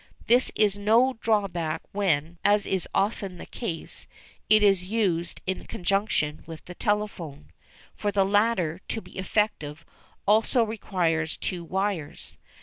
This is no drawback when, as is often the case, it is used in conjunction with a telephone, for the latter, to be effective, also requires two wires.